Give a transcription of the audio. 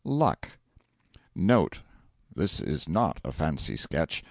LUCK (NOTE. This is not a fancy sketch.